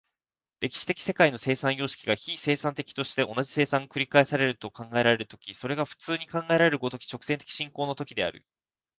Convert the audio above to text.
歴史的世界の生産様式が非生産的として、同じ生産が繰り返されると考えられる時、それが普通に考えられる如き直線的進行の時である。